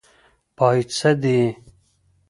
پايڅۀ دې.